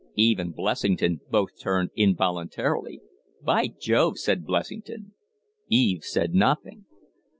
Eve and Blessington both turned involuntarily. "By Jove!" said Blessington Eve said nothing.